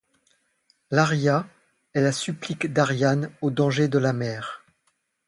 L'aria est la supplique d'Ariane aux dangers de la mer.